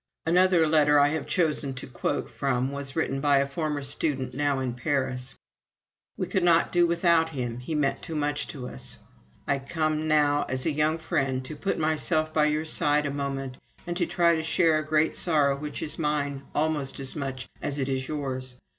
Another letter I have chosen to quote from was written by a former student now in Paris: "We could not do without him. He meant too much to us. ... I come now as a young friend to put myself by your side a moment and to try to share a great sorrow which is mine almost as much as it is yours.